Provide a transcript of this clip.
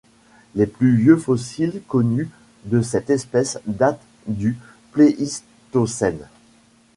Les plus vieux fossiles connus de cette espèce datent du Pléistocène.